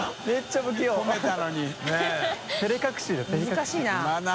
難しいな。